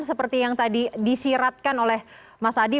seperti yang tadi disiratkan oleh mas adi